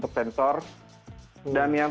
terima kasih pak terima kasih pak